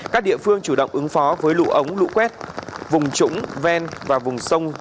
các địa phương chủ động ứng phó với lũ ống lũ quét vùng trũng ven và vùng sông